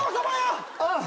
ああ。